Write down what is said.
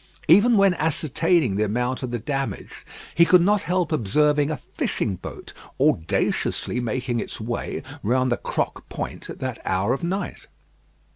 Even while ascertaining the amount of the damage, he could not help observing a fishing boat audaciously making its way round the Crocq Point at that hour of night.